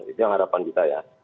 itu yang harapan kita ya